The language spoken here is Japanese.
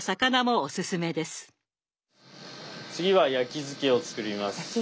次は焼き漬けを作ります。